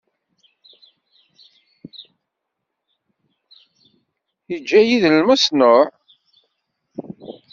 Iǧǧa-yi d lmeṣnuɛ.